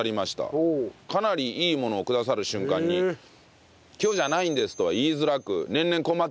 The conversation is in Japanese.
かなりいいものをくださる瞬間に「今日じゃないんです」とは言いづらく年々困っています。